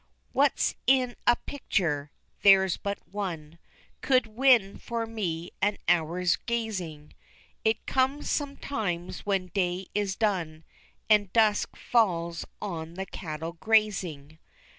What's in a picture? there's but one Could win for me an hour's gazing; It comes sometimes when day is done, And dusk falls on the cattle grazing.